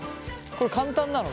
これ簡単なの？